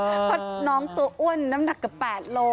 เพราะน้องตัวอ้วนน้ำหนักเกือบ๘โล